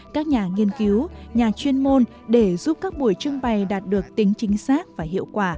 các nhà nghiên cứu nhà chuyên môn để giúp các buổi trưng bày đạt được tính chính xác và hiệu quả